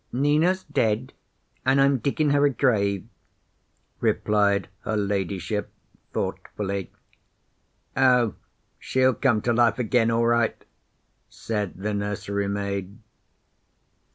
"Nina's dead, and I'm diggin' her a grave," replied her ladyship thoughtfully. "Oh, she'll come to life again all right," said the nursery maid.